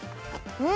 うん！